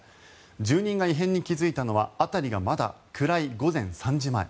住人が異変に気付いたのは辺りがまだ暗い午前３時前。